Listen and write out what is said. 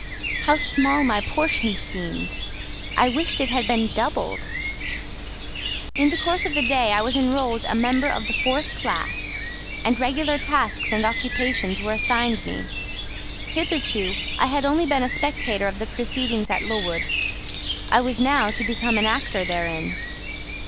How small my portion seemed! I wished it had been doubled. In the course of the day I was enrolled a member of the fourth class, and regular tasks and occupations were assigned me: hitherto, I had only been a spectator of the proceedings at Lowood; I was now to become an actor therein.